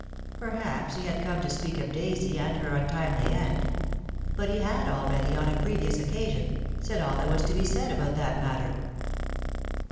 Perhaps he had come to speak of Daisy and her untimely end; but he had already, on a previous occasion, said all that was to be said about that matter.